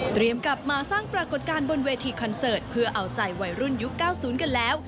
กลับมาสร้างปรากฏการณ์บนเวทีคอนเสิร์ตเพื่อเอาใจวัยรุ่นยุค๙๐กันแล้ว